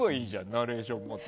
ナレーションもって。